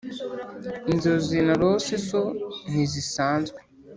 inzozi narose zo ntizisanzwe !